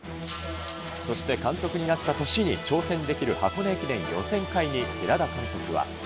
そして監督になった年に挑戦できる箱根駅伝予選会に、寺田監督は。